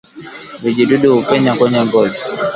Vijidudu hupenya kwenye ngozi